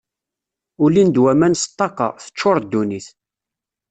Ulin-d waman s ṭṭaqa, teččuṛ ddunit.